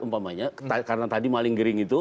umpamanya karena tadi maling gering itu